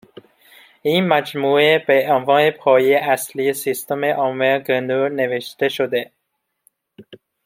این مجموعه به عنوان پایهٔ اصلی سیستمعامل گنو نوشته شده